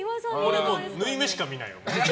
縫い目しか見ない。